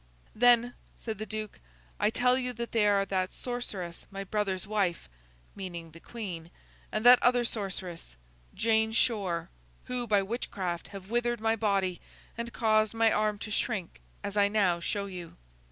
'Then,' said the Duke, 'I tell you that they are that sorceress my brother's wife;' meaning the Queen: 'and that other sorceress, Jane Shore. Who, by witchcraft, have withered my body, and caused my arm to shrink as I now show you.